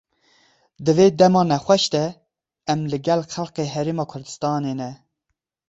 Di vê dema nexweş de em li gel xelkê Herêma Kurdistanê ne.